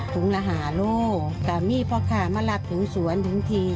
ถุงละหาลูกสามีพ่อค้ามารับถึงสวนถึงที